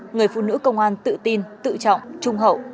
người phụ nữ công an tự tin tự trọng trung hậu